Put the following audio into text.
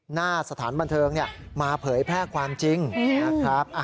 หน้าสถานบันเทิงมาเผยแพร่ความจริงนะครับ